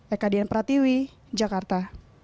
eka dian pratiwi jakarta